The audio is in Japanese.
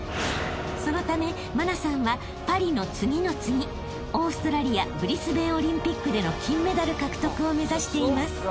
［そのため茉奈さんはパリの次の次オーストラリアブリスベンオリンピックでの金メダル獲得を目指しています］